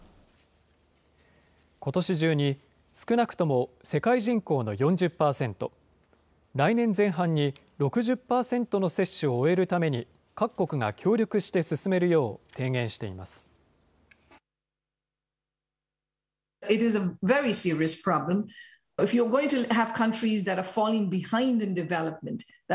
ことし中に少なくとも世界人口の４０％、来年前半に６０％の接種を終えるために、各国が協力して進めるよう提言しています。